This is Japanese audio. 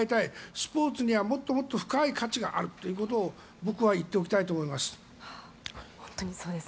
スポーツにはもっと深い価値があるということを僕は言っておきたいと思います。